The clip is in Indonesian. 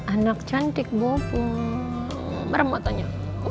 anak cantik bopo merah matanya